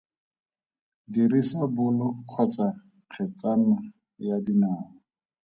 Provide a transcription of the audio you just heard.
Dirisa bolo kgotsa kgetsana ya dinawa.